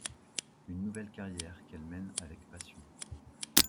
Une nouvelle carrière qu'elle mène avec passion.